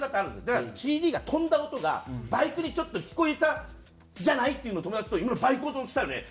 だからＣＤが飛んだ音がバイクに聞こえたんじゃない？っていうのを友達と「今バイクの音したよね？」